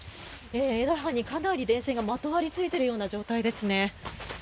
枝葉にかなり電線がまとわりついているような状態ですね。